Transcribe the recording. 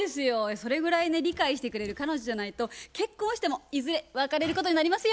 それぐらいね理解してくれる彼女じゃないと結婚してもいずれ別れることになりますよ。